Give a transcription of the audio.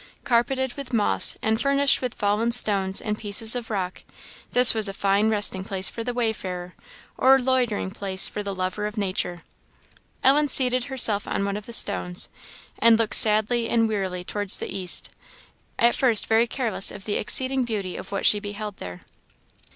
Carpeted with moss, and furnished with fallen stones and pieces of rock, this was a fine resting place for the wayfarer, or loitering place for the lover of nature. Ellen seated herself on one of the stones, and looked sadly and wearily towards the east, at first very careless of the exceeding beauty of what she beheld there.